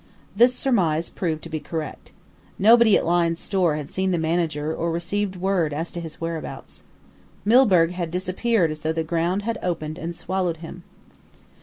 This surmise proved to be correct. Nobody at Lyne's Store had seen the manager or received word as to his whereabouts. Milburgh had disappeared as though the ground had opened and swallowed him.